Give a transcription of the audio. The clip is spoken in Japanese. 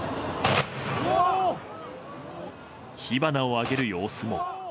火花を上げる様子も。